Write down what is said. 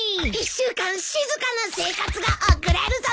１週間静かな生活が送れるぞ！